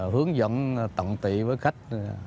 hướng dẫn tận tị với khách